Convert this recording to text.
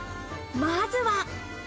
まずは。